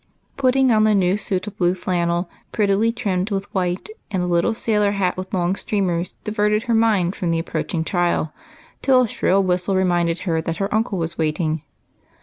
Putting on the new suit of blue flannel, prettily trimmed with white, and the little sailor hat with long streamers, diverted her mind from the approach ing trial, till a shrill whistle reminded her that her uncle was waiting.